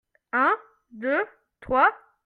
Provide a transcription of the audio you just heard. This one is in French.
Un, deux, trois.